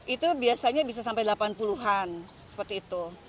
itu biasanya bisa sampai delapan puluh an seperti itu